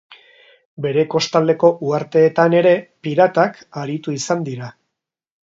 Bere kostaldeko uharteetan ere piratak aritu izan dira.